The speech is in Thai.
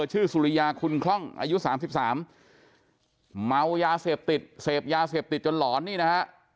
สุริยาคุณคล่องอายุ๓๓เมายาเสพติดเสพยาเสพติดจนหลอนนี่นะฮะ